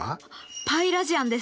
πラジアンです。